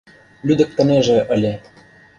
Лӱдыктынеже ыле...